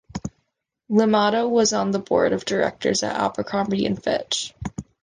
Limato was on the board of directors at Abercrombie and Fitch.